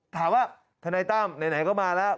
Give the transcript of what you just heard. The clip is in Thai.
ถามว่าธนัยตั้มไหนก็มาแล้ว